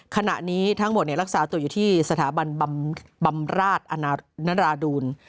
ขณะนี้ทั้งหมดรักษาตัวอยู่ที่สถาบันบำราชนราดูล